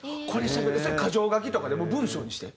それ箇条書きとかで文章にして？